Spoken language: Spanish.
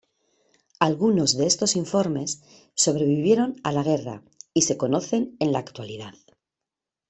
Algunos de estos informes, sobrevivieron a la guerra y se conocen en la actualidad.